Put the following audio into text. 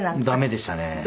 ダメでしたね。